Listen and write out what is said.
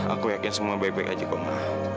aku yakin semua baik baik aja kok mah